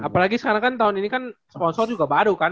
apalagi sekarang kan tahun ini kan sponsor juga baru kan